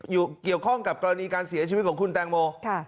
เกี่ยวข้องกับกรณีการเสียชีวิตของคุณแตงโม